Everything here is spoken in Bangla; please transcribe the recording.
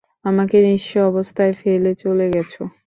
আমাকে নিঃস্ব অবস্থায় ফেলে চলে গেছো।